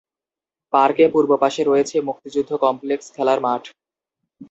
পার্কের পূর্ব পাশে রয়েছে মুক্তিযুদ্ধ কমপ্লেক্স, খেলার মাঠ।